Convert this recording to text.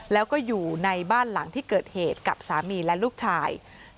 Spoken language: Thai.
แล้วก็อยู่ในบ้านหลังที่เกิดเหตุกับสามีและลูกชาย